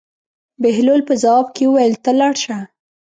بهلول په ځواب کې وویل: ته لاړ شه.